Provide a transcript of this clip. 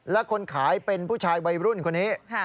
และคนขายเป็นผู้ชายวัยรุ่นคนนี้